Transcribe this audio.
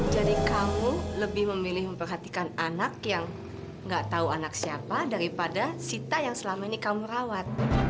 jadi kamu lebih memilih memperhatikan anak yang gak tau anak siapa daripada sita yang selama ini kamu rawat